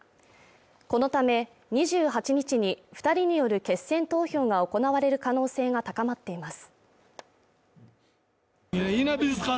このため２８日に２人による決選投票が行われる可能性が高まっています。